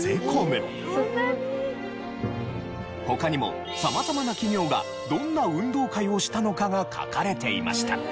他にも様々な企業がどんな運動会をしたのかが書かれていました。